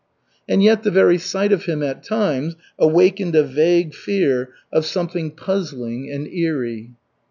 And yet the very sight of him at times awakened a vague fear of something puzzling and eery.